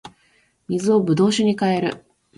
水を葡萄酒に変える